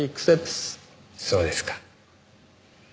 そうですか。